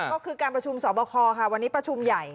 ก็คือการประชุมสอบคอค่ะวันนี้ประชุมใหญ่